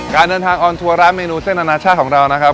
การเดินทางออนทัวร์ร้านเมนูเส้นอนาชาติของเรานะครับ